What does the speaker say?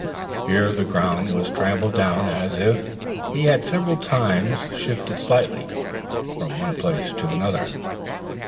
Here the ground was trampled down as if he had several times shifted slightly from one place to another.